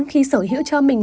khi sở hữu cho mình